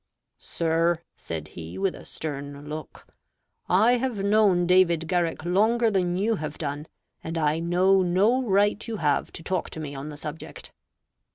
"Sir," (said he, with a stern look) "I have known David Garrick longer than you have done; and I know no right you have to talk to me on the subject."